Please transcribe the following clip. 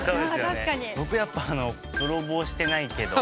僕やっぱ「泥棒してないけど」。